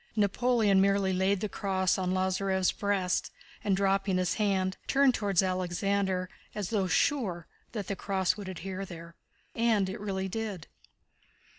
Napoleon merely laid the cross on Lázarev's breast and, dropping his hand, turned toward Alexander as though sure that the cross would adhere there. And it really did.